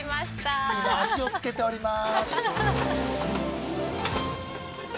今、足を付けております。